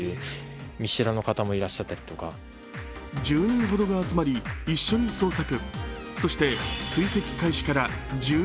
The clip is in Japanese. １０人ほどが集まり一緒に捜索。